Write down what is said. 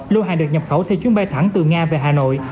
lô hàng được nhập khẩu theo chuyến bay thẳng từ nga về hà nội